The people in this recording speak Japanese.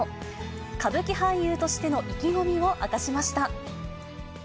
歌舞伎俳優としての意気込みを明かしました。